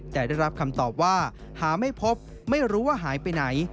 แต่ได้รับคำตอบว่าหาไม่พบไม่รู้ว่าหายไปไหน